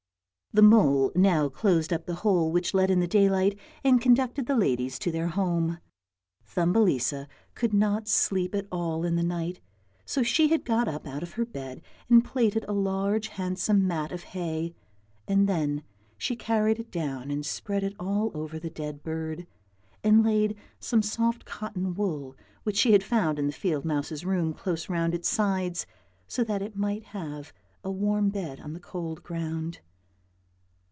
The mole now closed up the hole which let in the daylight and conducted the ladies to their home. Thumbelisa could not sleep at all in the night, so she got up out of her bed and plaited a large handsome mat of hay and then she carried it down and spread it all over the dead bird, and laid some soft cotton wool which she had found in the field mouse's room close round its sides, so that it might have a warm bed on the cold ground.